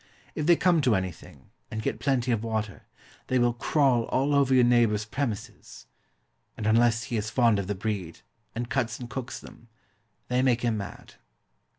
If they come to anything, and get plenty of water, they will crawl all over your neighbour's premises; and unless he is fond of the breed, and cuts and cooks them, they make him mad.